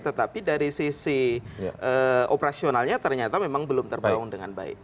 tetapi dari sisi operasionalnya ternyata memang belum terbangun dengan baik